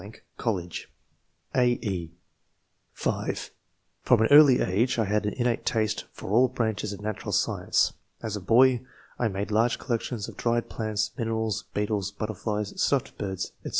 College." (a, e) (5) From an early age I had an innate taste for all branches of natural science. As a boy, I made large collections of dried plants, minerals, beetles, butterflies, stuffed birds, &c.